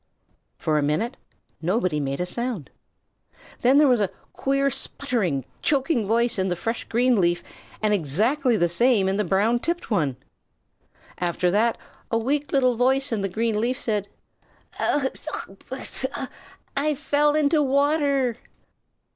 For a minute nobody made a sound. Then there was a queer sputtering, choking voice in the fresh green leaf and exactly the same in the brown tipped one. After that a weak little voice in the green leaf said, "Abuschougerh! I fell into water."